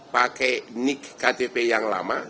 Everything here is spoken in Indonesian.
pakai nik ktp yang lama